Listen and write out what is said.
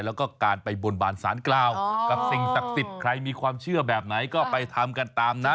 แล้วก็การไปบนบานสารกล่าวกับสิ่งศักดิ์สิทธิ์ใครมีความเชื่อแบบไหนก็ไปทำกันตามนะ